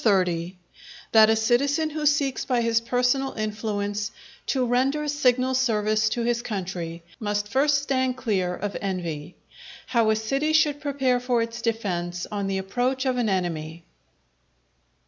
—_That a Citizen who seeks by his personal influence to render signal service to his Country, must first stand clear of Envy. How a City should prepare for its defence on the approach of an Enemy.